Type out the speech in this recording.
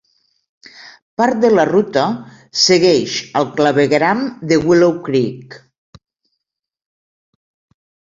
Part de la ruta segueix el clavegueram de Willow Creek.